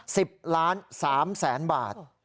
เท่าไหร่ฮะ๑๐๓๐๐๐๐๐บาท